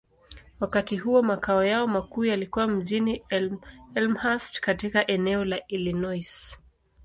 Wakati huo, makao yao makuu yalikuwa mjini Elmhurst, katika eneo la Illinois.